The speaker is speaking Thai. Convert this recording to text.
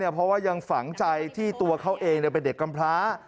เพราะว่ายังฝังใจที่ตัวเขาเองเป็นเด็กกำพลา